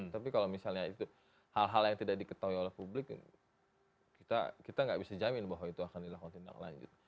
tapi kalau misalnya itu hal hal yang tidak diketahui oleh publik kita nggak bisa jamin bahwa itu akan dilakukan tindak lanjut